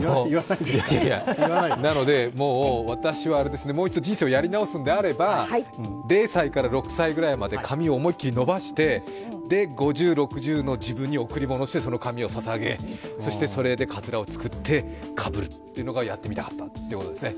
なので、もう、私はもう一度人生をやり直すのであれば、０歳から６歳くらいまで髪を思い切り伸ばして、５０、６０の自分に贈り物として、髪をささげそしてそれでかつらを作ってかぶるというのがやってみたかったということですね。